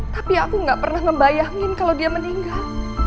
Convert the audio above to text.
tapi aku gak pernah ngebayangin kalau dia meninggal